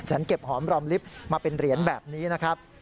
เก็บหอมรอมลิฟต์มาเป็นเหรียญแบบนี้นะครับ